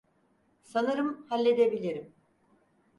Sanırım halledebilirim.